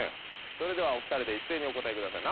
それではお２人で一斉にお答えください